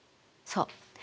そう。